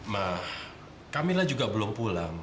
ma kamila juga belum pulang